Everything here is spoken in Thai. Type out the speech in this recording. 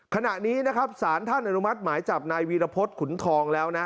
ขณะนี้นะครับสารท่านอนุมัติหมายจับนายวีรพฤษขุนทองแล้วนะ